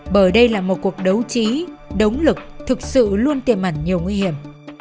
bởi đây là một cuộc đấu trí đống lực thực sự luôn tiềm ẩn nhiều nguy hiểm